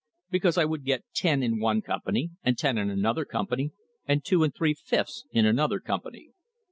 Because I would get ten in one company, and ten in another company, and two and three fifths in another company.